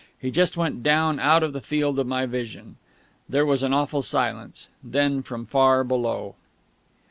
He just went down out of the field of my vision. There was an awful silence; then, from far below